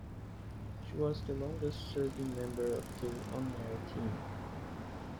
She was the longest serving member of the on-air team.